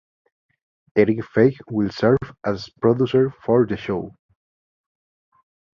Erik Feig will serve as producer for the show.